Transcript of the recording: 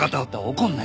怒るなよ。